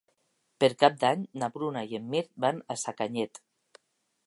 Per Cap d'Any na Bruna i en Mirt van a Sacanyet.